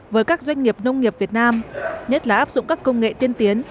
với các doanh nghiệp nông nghiệp việt nam nhất là áp dụng các công nghệ tiên tiến